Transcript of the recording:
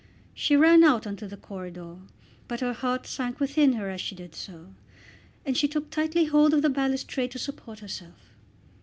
She ran out on to the corridor, but her heart sank within her as she did so, and she took tightly hold of the balustrade to support herself.